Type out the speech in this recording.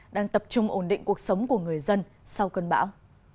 đang tập trung ổn định cuộc sống của người dân sau cơn bão